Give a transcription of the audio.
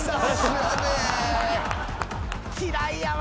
嫌いやわ。